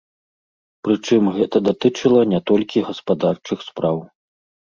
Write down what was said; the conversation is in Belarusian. Прычым гэта датычыла не толькі гаспадарчых спраў.